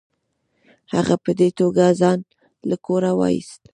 هغه په دې توګه ځان له کوره وایست.